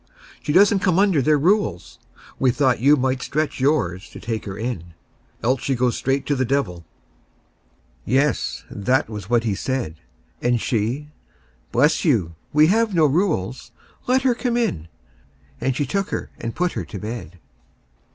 She doesn't come under their rules. We thought you might stretch yours to take her in. Else she goes straight to the devil." Yes! that was what he said. And she: "Bless you; we have no rules. Let her come in." And she took her and put her to bed.